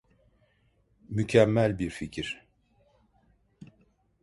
Mükemmel bir fikir.